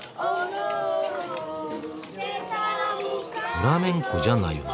フラメンコじゃないよな。